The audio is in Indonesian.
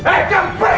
eh jangan pergi